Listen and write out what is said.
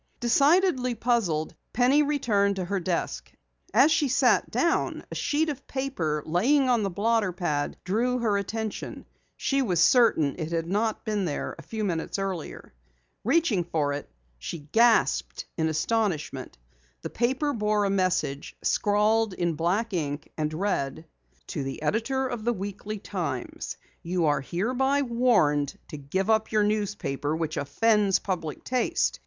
Decidedly puzzled, Penny returned to her desk. As she sat down a sheet of paper lying on the blotter pad drew her attention. She was certain it had not been there a few minutes earlier. Reaching for it, she gasped in astonishment. The paper bore a message scrawled in black ink and read: "To the Editor of the Weekly Times: You are hereby warned to give up your newspaper which offends public taste.